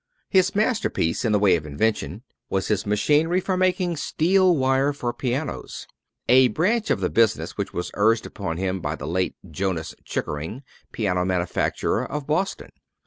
His masterpiece in the way of invention was his machinery for making steel wire for pianos, a branch of the business which was urged upon him by the late Jonas Chickering, piano manufacturer, of Boston.